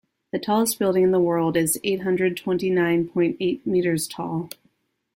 The tallest building in the world is eight hundred twenty nine point eight meters tall.